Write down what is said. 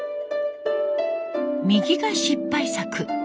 右が失敗作。